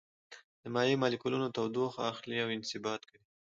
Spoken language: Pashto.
د مایع مالیکولونه تودوخه اخلي او انبساط کوي.